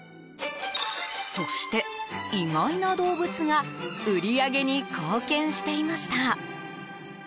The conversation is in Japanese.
そして、意外な動物が売り上げに貢献していました。